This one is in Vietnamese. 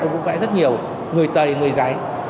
ông cũng vẽ rất nhiều người tây người giấy